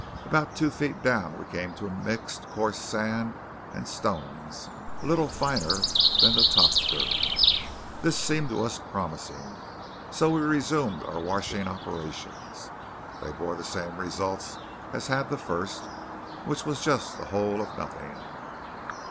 About two feet down we came to a mixed coarse sand and stones, a little finer than the top dirt. This seemed to us promising, so we resumed our washing operations. They bore the same results as had the first; which was just the whole of nothing.